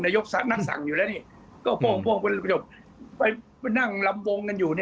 นายกก็สั่งพ่งก็ป่งก็มันเป็นนั่งลำควมนะอยู่